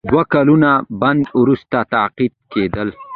د دوه کلونو بند وروسته تقاعد کیدل.